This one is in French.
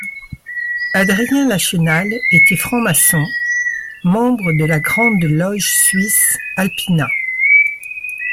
Adrien Lachenal était franc-maçon, membre de la Grande Loge suisse Alpina.